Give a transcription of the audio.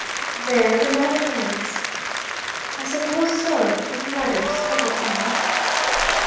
"There the matter ends." "I suppose so if matters ever end."